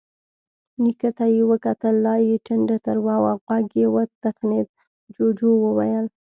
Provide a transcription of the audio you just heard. نيکه ته يې وکتل، لا يې ټنډه تروه وه. غوږ يې وتخڼېد، جُوجُو وويل: